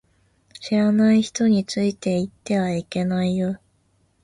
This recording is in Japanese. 知らない人についていってはいけないよ